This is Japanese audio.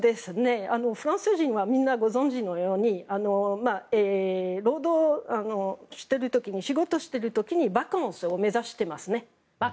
フランス人はみんなご存じのように労働してる時に仕事してる時にバカンスを目指してます。